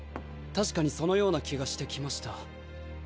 確かにそのような気がしてきました。